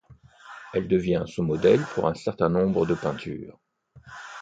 Elle devient son modèle pour un certain nombre de peintures.